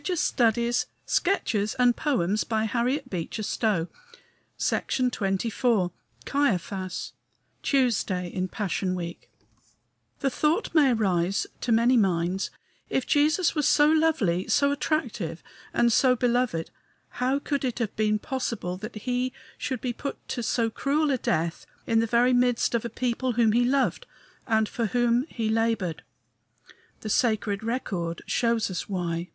If they have seen and hated both him and his Father what remains? XXIV CAIAPHAS Tuesday in Passion Week The thought may arise to many minds, if Jesus was so lovely, so attractive, and so beloved, how could it have been possible that he should be put to so cruel a death in the very midst of a people whom he loved and for whom he labored? The sacred record shows us why.